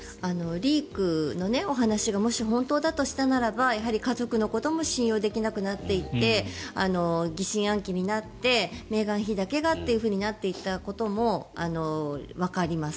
リークのお話がもし本当だとしたならばやはり家族のことも信用できなくなっていて疑心暗鬼になってメーガン妃だけがということになったこともわかります。